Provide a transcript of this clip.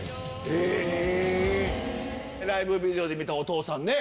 ライブビデオで見たお父さん。